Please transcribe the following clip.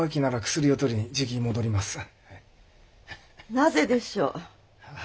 なぜでしょう？